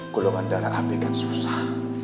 golongan darah api kan susah